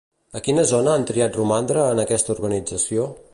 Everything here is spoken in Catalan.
A quina zona han triat romandre en aquesta organització?